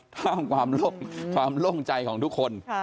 ท่ามความโล่งใจของทุกคน